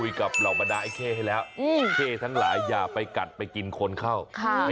ยังไม่ทันได้อะไรเลยไปก่อนแล้วค่ะ